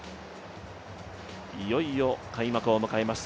いよいよ開幕を迎えました